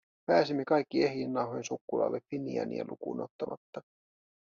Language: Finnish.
Pääsimme kaikki ehjin nahoin sukkulalle Finiania lukuun ottamatta.